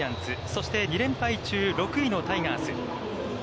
そして、２連敗中、６位のタイガース。